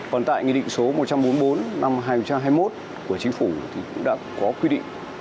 còn tại nghị định số một trăm bốn mươi bốn năm hai nghìn hai mươi một của chính phủ thì cũng đã có quy định